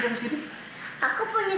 katanya sudah lamar deh